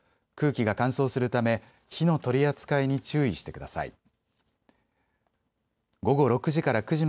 空気が乾燥するため火の取り扱いに注意してください。